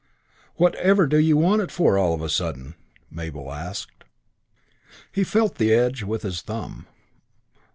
"Whatever do you want it for all of a sudden?" Mabel asked. He felt the edge with his thumb.